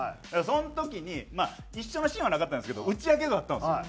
その時に一緒のシーンはなかったんですけど打ち上げがあったんですよ。